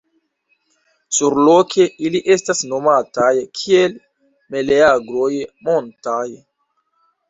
Surloke ili estas nomataj kiel meleagroj “montaj”.